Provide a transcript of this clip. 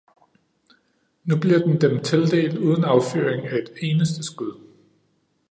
Nu bliver den dem tildelt uden affyring af et eneste skud.